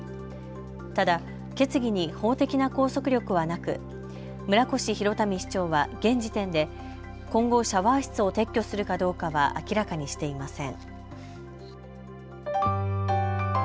ただ決議に法的な拘束力はなく、村越祐民市長は現時点で今後、シャワー室を撤去するかどうかは明らかにしていません。